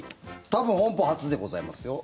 多分本邦初でございますよ。